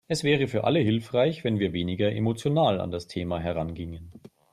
Es wäre für alle hilfreich, wenn wir weniger emotional an das Thema herangingen.